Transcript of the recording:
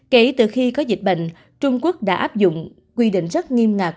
kể từ khi có dịch bệnh trung quốc đã áp dụng quy định rất nghiêm ngặt